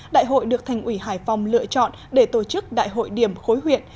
đại hội được thành ủy hải phòng lựa chọn để tổ chức đại hội điểm khối huyện